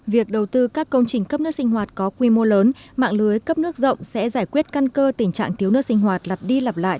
việc đầu tư các công trình cấp nước sinh hoạt có quy mô lớn mạng lưới cấp nước rộng sẽ giải quyết căn cơ tình trạng thiếu nước sinh hoạt lặp đi lặp lại